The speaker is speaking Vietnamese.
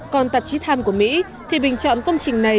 còn tạp chí times của mỹ thì bình chọn công trình này